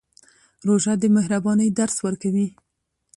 روژه د مهربانۍ درس ورکوي.